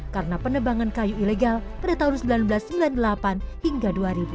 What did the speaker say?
karena penebangan kayu ilegal pada tahun seribu sembilan ratus sembilan puluh delapan hingga dua ribu